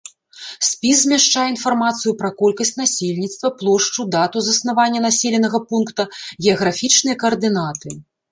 Спіс змяшчае інфармацыю пра колькасць насельніцтва, плошчу, дату заснавання населенага пункта, геаграфічныя каардынаты.